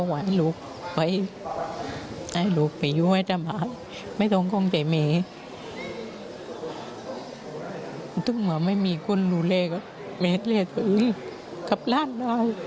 แม่ว่าเขาจะฆ่าลูกหรอ